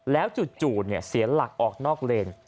แล้วจู่เสียหลักออกนอกเลน